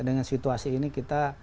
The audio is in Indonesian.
dengan situasi ini kita